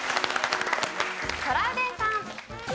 トラウデンさん。